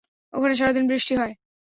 ওখানে সারাদিন বৃষ্টি হয়।